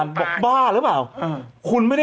หนุ่มกัญชัยโทรมา